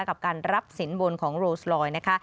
กับการรับสินบนของโรสลอยนะคะ